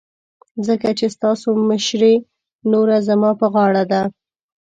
ځکه چې ستاسو مشرې نوره زما په غاړه ده.